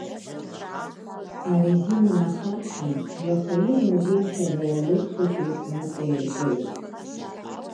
Арезина нахаршәны, иаха ирмазеихьаз аулыр хәыҷы наҵаиргылеит.